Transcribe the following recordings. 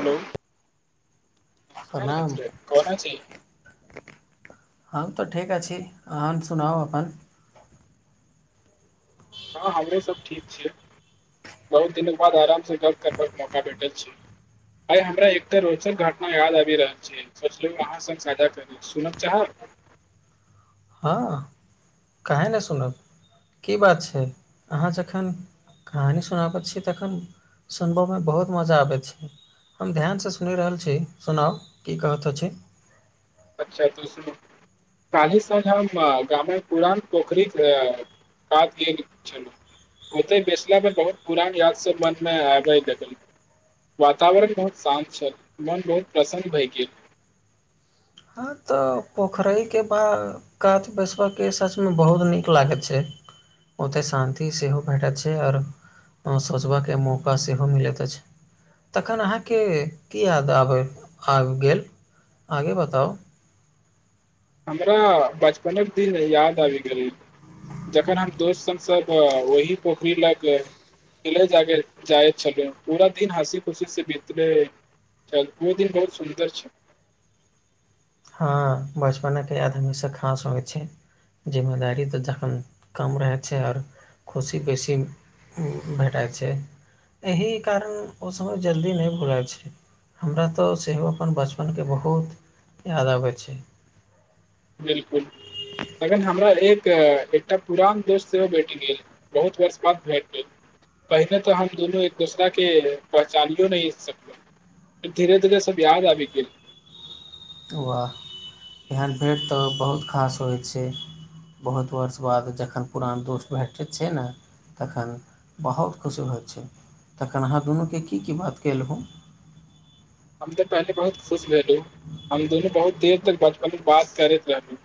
hello नमस्कार प्रणाम मित्र कोना छी हम तऽ ठीक अछि अहाँन सुनाउ अपन हँ हमरे सब ठीक छियै बहुत दिनक बाद आराम से गप्प करबाक के मौका भेटल छै आय हमरा एकटा रोचक घटना याद आबि रहल छै सोचलु अहाँ संग साझा करी सुनब चाहब हँ काहे नहि सुनब की बात छै अहाँ जखन कहानी सुनाबैत छीयै तखन सुनबमे बहुत मजा आबै छै हम ध्यानसँ सुनि रहल छी सुनाउ की कहैत अछि अच्छा काल्हि साँझ हम गामक पुरान पोखरिक कात गेल छलु ओतै बैसला बहुत पुरान याद सब मन मे आबै देखलु वातावरण बहुत शान्त छल मन बहुत प्रसन्न भय गेल ह तऽ पोखरै के पा कात बैसबय के सच में बहुत नीक लागै छै ओतय शान्ति सेहो भेटैत छै आ ओर सोचबाके मौका सेहो मिलैत अछि तखन अहाँके की याद आब आबि गेल आगे बताउ हमरा बचपनक दिन याद आबि गेली जखन हम दोस्त संग सब ओही पोखरी लग खे जाय छलु पूरा दिन हँसी खुशी से बितले ओ दिन बहुत सुन्दर छल हँ बचपनक याद हमेशा खास होय छै जिम्मेदारी तऽ जखन कम रहै छै आओर खुशी बेसी भेटाय छै एहि कारण ओ समय जल्दी नहि भुलाय छै हमरा तऽ सेहो अपन बचपनके बहुत याद आबै छै बिल्कुल तखन हमरा एक एकटा पुरान दोस्त सेहो भेट गेल बहुत वर्ष बाद भेंट भेल पहिने तऽ हम दुनू एक दोसरा के पहचानियो नहि सकलौ धीरे धीरे सब याद आब आबि गेल वाह एहन भेंट तऽ बहुत खास होइत छै बहुत बहुत स्वागत जखन पुरान दोस्त भेटैत छै ने तखन बहुत खुशी होइत छै तखन अहाँ दुनूके की की बात केलहुँ हम तऽ पहिले बहुत खुश भेलउ हम दुनू बहुत देर तक बचपन बात करैत रहलु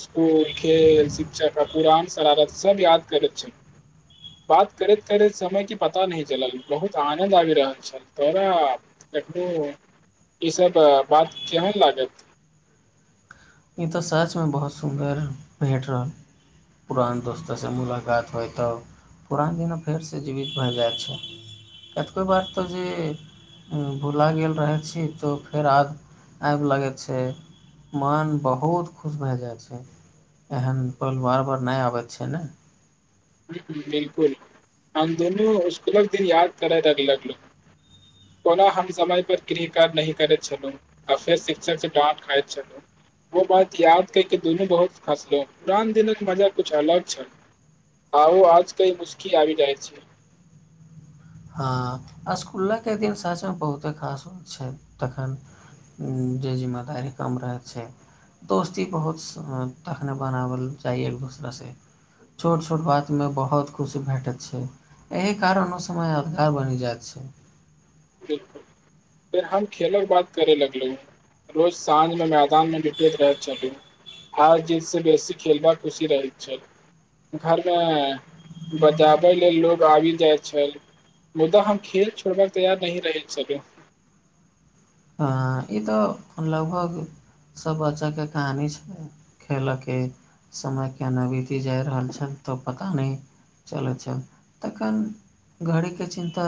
स्कूल खेल शिक्षक पुरान शरारत सब याद करै छै बात करैत करैत समय क पताहनहि चलल बहुत आनंद आइब रहल छल तोरा इ सब बात केहन लागत ई तऽ सच में बहुत सुन्दर भेट रहल पुरान दोस्तोसँ मुलाकात होइ तऽ पुरान दिन फेरसँ जिवित भए जाइ छै कतको बात तऽ जे भुला गेल रहै छी तो फेर आज आबि लगैत छै मन बहुत खुश भय जाइ छै एहन पल वार बार नहि आबैत छै ने ह ह बिल्कुल हमदुनू इसकुलक दिन याद करए लगलग कोना हम समय पर गृहकार्य नहि करैत छलहुँ आ फेर सिक्चर डाँट खायइत चलू वो बात याद करके दुनु बहुत फँसलो पुरान दिनके मजा कुछ अलग छल आउ आज कंही मुसकी आबि जाइ छै हँ असकुलक दिन सच मे बहुते खास हो छै तखन जी जी माद र कमरा छय दोस्ती बहुत समानता बनाबल चाही एक दूसरा से छोट छोट बात में बहुत खुशी भेटैत छै एहि कारण समय [unintelligible] बनि जात छी फेर हम खेलेलक बाद करे लगलै रोज साँझमे मैदानमे निपटैत रहैत छली हार जीत स बेसी खेलबा खुशी रहैत छै घर मे बजाबै लेल लोग आबि जाय छै मुदा हम खेल छोड़बाक तैयार नहि रह सकै हं ई तऽ लगभग सब बच्चा के कहानी खेलऽ के समय केना बीति जाय रहल छय तव पता त नै चलै छ तखन घड़ीके चिन्ता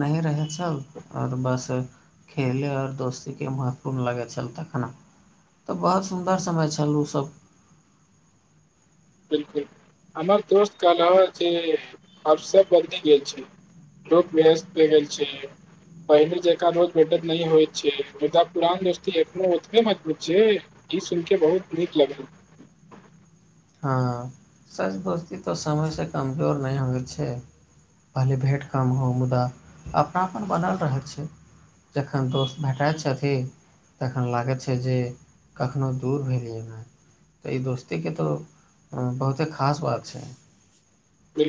नय रहै छल आओर बस खेले आऔ दोस्ती के महत्वपूर्ण लागै चलता खाना तऽ बहुत सुन्दर समय छल ओ सब बिलकुल हमर दोस्त कहल जे आब सब बदलि गेल छै रूप मेहस्त में गेल छी पहिने जेका रोज बेेडद न होय छै मुदा पुरान दोस्ती एखनो ओतबे मजबूत छै ई सुइन के बहुत नीक लगली हँ सच दोस्ती तऽ समय से कमजोर नहि होइ छै पहले भेँट कम हो मुदा अपनापन बनल रहै छै जखन दोस्त भेटइत छथिन तखन लागै छै जे कखनो दूर भेलिये ने तऽ ई दोस्तीके तऽ हँ बहुते खास बात छै ब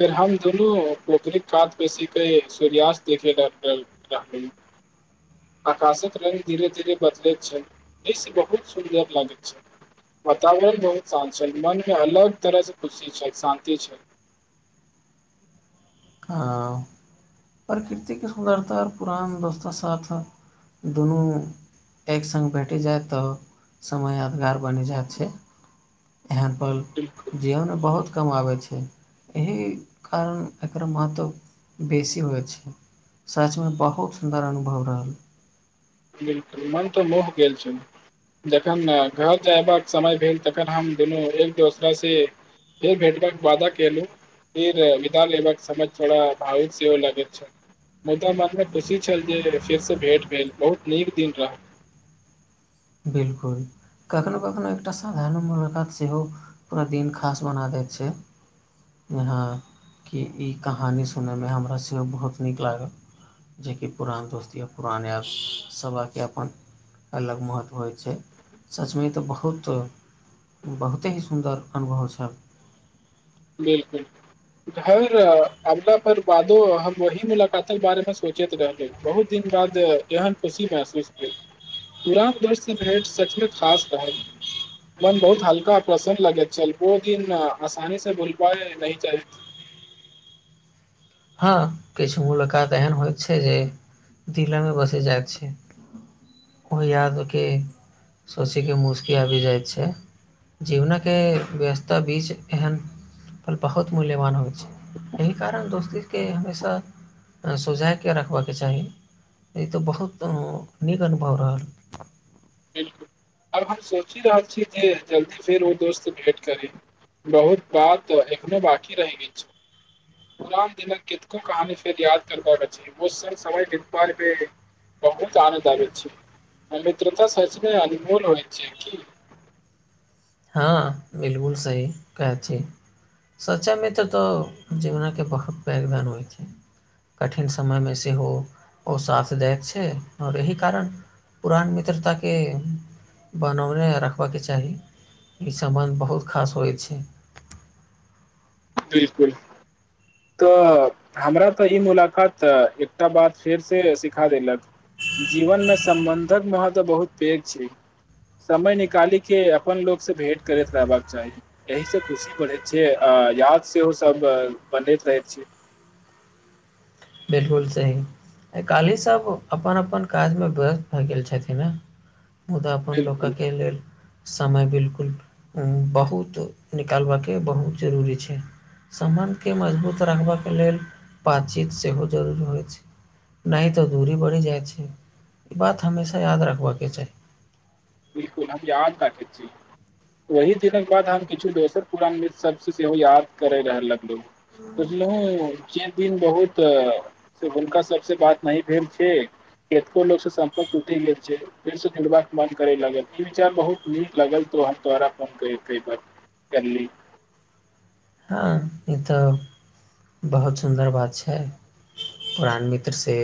फेर हम दुनू पोखरिक कात बेसीके सूर्यास्त देखे रह रह रहलू आकाशक रंग धीरे धीरे बदलैत छै जैस बहुत सुन्दर लागैत छै वातावरण बहुत शान्त छै मन मे अलग तरह से खुशी छै शान्ति छै हँ प्रकृतिके सुन्दरता और पुरान दोस्तो साथ दुनु एक सङ्ग भेटि जाइ तऽ समय यादगार बनि जाइत छै एहनपल बिल्कुल जीवनमे बहुत कमाबै छै एहि कारण एकर महत्व बेसी होइ छै सचमे बहुत सुन्दर अनुभव रहल बिलकुल मन तऽ मोह गेल छै जखन घर जयबाक समय भेल तखन हम दुनू एक दोसरा से फेर भेटबाक वादा केलहु फेर विधान लेबक समझ छोड़ा भावुक सेवो लगे छै मुदा मन में खुशी छल जे फिर से भेंट भेल बहुत नीक दिन रह बिलकुल कखनो कखनो एकटा साधारण मुलाकात सेहो पूरा दिन खास बना दै छैय हँ कि ई कहानी सुनयमे हमरा सेहो बहुत नीक लागल जेकि पुरान दोस्ती या पुरान आप सभाके अपन अलग महत्व होइ छै सच में ई तऽ बहुत बहुते ही सुन्दर अनुभव छै बिल्कुल घर अदा पर बादो हम वही मुलाकात के बारे मे सोचेत रहली बहुत दिन बाद एहन खुशी महसूस पुरान दोस्त से भेट सच में खास रहल मन बहुत हल्का प्रसन्न लगै चलो दिन आसानी से बुल पाए न जा हँ किछ मुलाकात एहन होइत छै जे दिलेमे बसे जाइ छै ओ यादक सोचीके मुसकी आइब जाइत छै जीवनके व्यस्तता बीच एहन पर बहुत मुल्यवान होइत छै इह कारण दोस्ती के हमेशा रसुजाइके रखबाके चाही ई तऽ बहुत नीक अनुभव रहल बिलकुल आर हम सोचि रहल छी जे जल्दी फेर ओ दोस्त भेंट करे बहुत बात एखनो बाँकी रहि गेल छै पुरान दिनक किनको कहानी फेर याद करबाक अछी वो सर समय लि बहुत आन दाग छै मित्रता सचने अनमूल होइ छै कि हँ बिलकुल सही कहै छी सचय में तऽ तऽ जीवनके बहुत पैघदान होइत छै कठिन समयमे सेहो ओ साथदैत छै आओर एहि कारण पुरान मित्रता के बनौने रखबाके चाही ई सम्बन्ध बहुत खास होय छै बिलकुल तऽ हमरा तऽ ई मुलाकात एकटा बात फेरसे सिखा देलक जीवन में सम्बन्धक महत्व बहुत पैघ छै समय निकाइल के अपन लोग से भेंट करैत रहबाक चाही एहिसँ खुशी बढ़ैत छै याद सेहो सब बनैत रहै छै बिलकुल सही काली सब अपन अपन काज में व्य्स्त भए गेल छथिन ह मुदा अपन लोक बिलकुल के लेल समय बिलकुल बहुत निकालबाके बहुत जरूरी छै सम्बन्ध के मजबूत रखबाक लेल बातचीत सेहो जरूरी होइत छै नै तऽ दूरी बढ़ि जाइ छै ई बात हमेशा याद रखबाऽ के चाही बिलकुल हम याद रा कची वही दिनक बाद हम किछु दोसर पुरान मित्रसब सेहो याद करे रहललोग सोचलहुँ जे दिन बहुत से हुनका सबसँ बात नहि भेल छैे केतको लोक से सम्पर्क टूटि गेल छै फेर से जोड़बाक मन करै लागल ई विचार बहुत नीक लागल तऽ हम तोरा फोन कैर कैर केर करली हँ ई तऽ बहुत सुन्दर बात छै पुरान मित्रसँ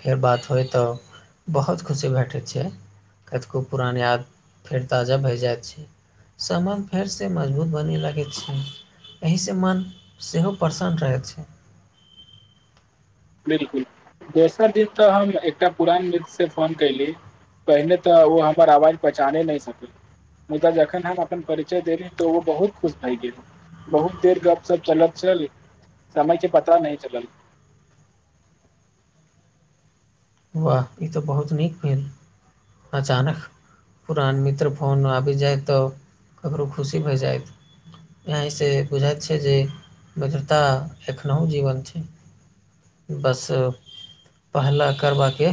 फेर बात होय तऽ बहुत खुशी भेटै छै कतिको पुरान याद फेर ताजा भै जाइत छै समामान फेरसँ मजबूत बनी लगैत छै एहिसँ मन सेहो प्रसन्न रहै छै बिल्कुल दोसर दिन तऽ हम एकटा पुरान मित्रसँ फोन कयली पहिने तऽ ओ हमर आवाज पहचाने नहि सकै मुदा जखन हम अपन परिचय दे रहेैं ओ बहुत खुश भए गेल बहुत देर गप सब चलत छलल समय के पता नहि चलल वाह ई तऽ बहुत नीक भेल अचानक पुरान मित्र फोन आबि जाइ तऽ ककरो खुशी भए जायत यहाँसँ बुझाइत छै जे वद्रता एखनहु जीवन छै बस पहला करबाक के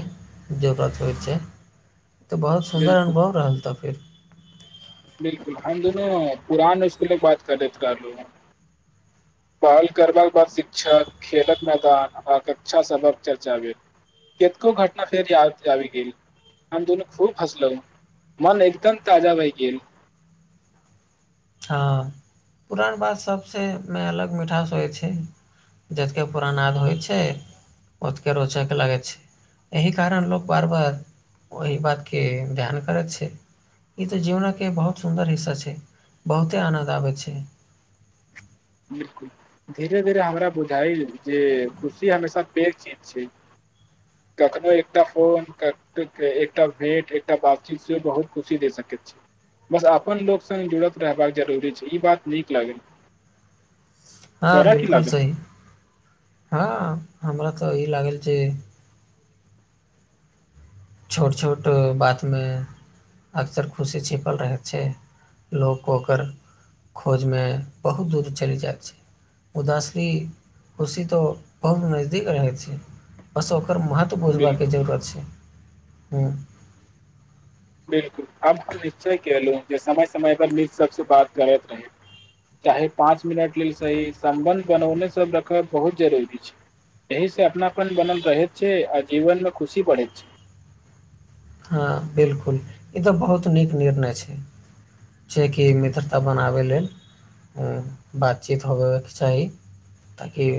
जरूरत होइत छै तऽ बहुत सुन्दर बिलकुल अनुभव रहल तऽ फेर बिलकुल हम दुनू पुरान स्कूल बात कर दैत रहलो पहल करबाक बाद शिक्षक खेलक मैदान आक्षा सबक चर्चा भेल कितको घटना फेरबी जाबि गेल हम दुनू खूब हसलहु मन एकदम ताजा भहि गेल हँ पुरान बात सभसँ मे अलग मिठास होइ छै जतके पुरानाद होइ छै ओतके रोचक लागै छै एहि कारण लोक बार बार ओहि बातके ध्यान करैत छै ई तऽ जीवनक के बहुत सुन्दर हिस्सा छै बहुते आनन्द आबैत छै बिलकुल धीरे धीरे हमरा बुझाइ जे खुशी हमेशा बेघ चीज छै कखनो एकटा फोन एकटा भेंट एकटा बातचीत से बहुत खुशी दे सकैत छी बस अपन लोक संग जुड़त रहबाक जरूरी छै ई बात नीक लागल हँ तोरा की बिलकुल लागल सही हँ हमरा तऽ ई लागल जे छोट छोट बातमे अक्सर खुशी छिपल रहैत छै लोक ओकर खोजमे बहुत दूर चलि जाइ छै उदासी खुशी त बहुत नजदीक रहै छै बस ओकर महत्व त बुढबाके बिल्कुल जगा छै ह बिलकुल अब हम निश्चय कलू जे समय समय पर मित्र सबसँ बात करैत रहे चाहे पाँच मिनट लेल सही सम्बन्ध बनौने सब रखब बहुत जरूरी छै एहि से अपनापन बनल रहे छै आ जीवन में खुशी बढ़े छै हँ बिलकुल ई तऽ बहुत नीक निर्णय छै छै कि मित्रता बनाबै लेल ह बातचीत हो चाही ताकि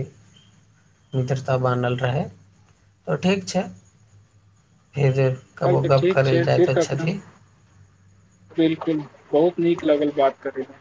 मित्रता बान्हल रहै तऽ ठीक छै फेर जे चल कबो तऽ गप्प ठीक छै करैलए जाइ तऽ छथि बिलकुल बहुत नीक लगल बात करैत